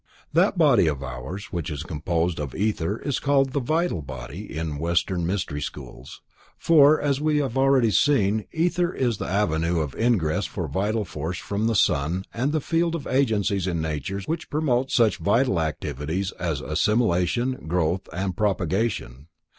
_ That body of ours which is composed of ether is called the "vital body" in Western Mystery Schools, for, as we have already seen, ether is the avenue of ingress for vital force from the sun and the field of agencies in nature which promote such vital activities as assimilation, growth and propagation.